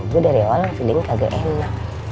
gue dari awal videonya kagak enak